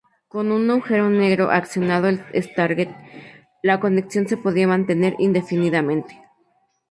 Con un Agujero Negro accionando el stargate, la conexión se podía mantener indefinidamente.